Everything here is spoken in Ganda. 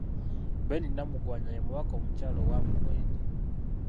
Benny Namugwanya, ye mubaka omukyala owa Mubende.